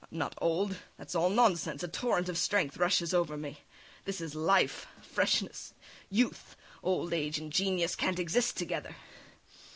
I'm not old, that is all nonsense, a torrent of strength rushes over me; this is life, freshness, youth! Old age and genius can't exist together.